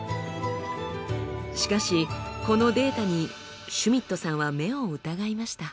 しかしこのデータにシュミットさんは目を疑いました。